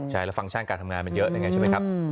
ใช่แล้วฟังก์การทำงานมันเยอะยังไงใช่ไหมครับ